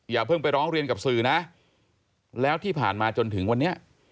อย่าเพิ่งไปร้องเรียนกับสื่อนะแล้วที่ผ่านมาจนถึงวันนี้